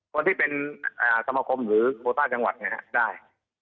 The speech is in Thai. คนที่เป็นสมคมหรือโคต้าจังหวัดได้